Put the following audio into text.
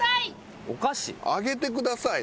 「あげてください」？